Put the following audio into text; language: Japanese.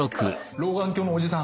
老眼鏡のおじさん